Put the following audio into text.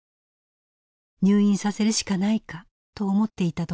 「入院させるしかないか」と思っていたところ。